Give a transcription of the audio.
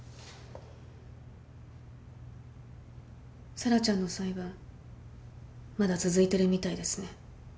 沙羅ちゃんの裁判まだ続いてるみたいですね。